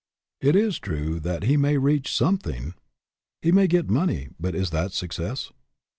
It is true that he may reach something. He may get money, but is that success